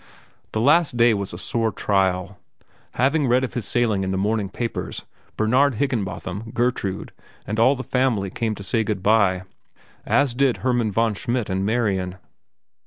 The last day was a sore trial. Having read of his sailing in the morning papers, Bernard Higginbotham, Gertrude, and all the family came to say good by, as did Hermann von Schmidt and Marian.